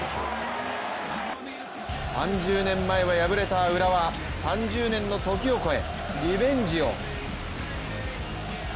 ３０年前は敗れた浦和、３０年の時を越え、リベンジを。